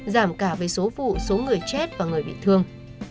giảm cả về số vụ số người chết và người bị thương